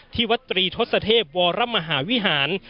ที่วัตรีทศเทพวมหาวิหาร